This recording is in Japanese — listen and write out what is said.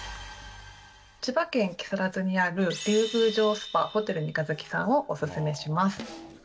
千葉県木更津にある、龍宮城スパホテル三日月さんをお勧めします。